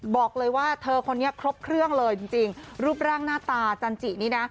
บอกเลยว่าเธอคนนี้ครบเครื่องเลยจริงจริงรูปร่างหน้าตาจันจินี่นะ